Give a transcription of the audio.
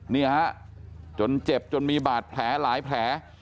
นี่ฮะจนเจ็บจนมีบาดแผลหลายแผล